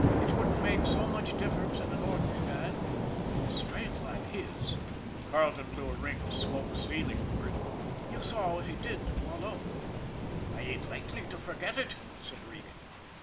It wouldn't make so much difference in an ordinary man, but with strength like his " Carleton blew a ring of smoke ceilingwards " you saw what he did to Boileau." " I ain't likely to forget it," said Regan.